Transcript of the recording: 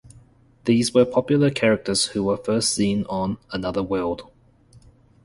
These were three popular characters who were first seen on "Another World".